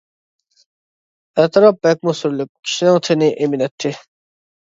ئەتراپ بەكمۇ سۈرلۈك، كىشىنىڭ تېنى ئەيمىنەتتى.